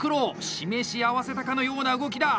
示し合わせたかのような動きだ！